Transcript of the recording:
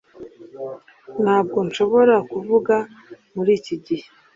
Ntabwo nshobora kuvuga muri iki gihe